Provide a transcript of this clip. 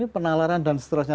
penalaran dan seterusnya